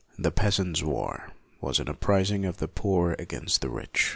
The Peas ants' War was an uprising of the poor against the rich.